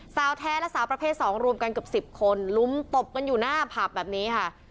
สาวแท้และสาวประเภท๒รวมกันเกือบ๑๐คนลุมตบกันอยู่หน้าผับแบบนี้ค่ะ